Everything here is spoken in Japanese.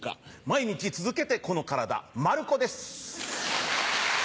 毎日続けてこの体馬るこです。